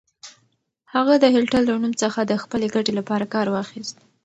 هغه د هېټلر له نوم څخه د خپلې ګټې لپاره کار واخيست.